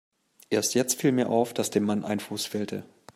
Erst jetzt fiel mir auf, dass dem Mann ein Fuß fehlte.